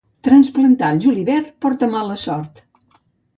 Trasplantar el julivert porta mala sort.